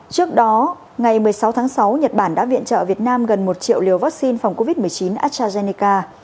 trước đó ngày một mươi sáu tháng sáu nhật bản đã viện trợ việt nam gần một triệu liều vaccine phòng covid một mươi chín astrazeneca